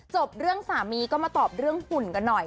จบเรื่องสามีก็มาตอบเรื่องหุ่นกันหน่อย